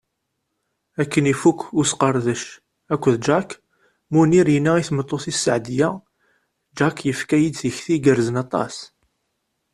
Akken ifuk usqerdec akked Jack, Munir yenna i tmeṭṭut-is Seɛdiya: Jack yefka-yi-d tikti igerrzen aṭas.